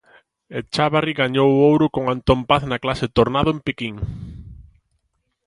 Echávarri gañou o ouro con Antón Paz na Clase Tornado en Pequín.